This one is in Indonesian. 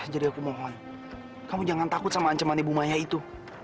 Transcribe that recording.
jadi aku mohon kamu jangan takut sama ancaman ibu maya itu